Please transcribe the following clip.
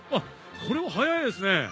これは速いですね。